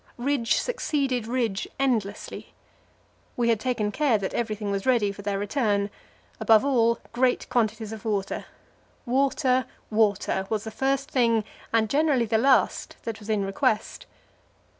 Ridge succeeded ridge, endlessly. We had taken care that everything was ready for their return above all great quantities of water. Water, water was the first thing, and generally the last, that was in request.